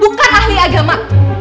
bukan ahli agama